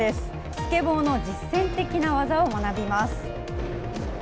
スケボーの実践的な技を学びます。